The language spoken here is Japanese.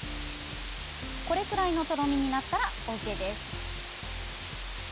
これくらいのとろみになったらＯＫです。